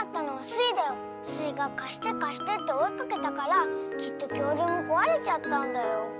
スイが「かしてかして」っておいかけたからきっときょうりゅうもこわれちゃったんだよ。